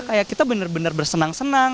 kayak kita bener bener bersenang senang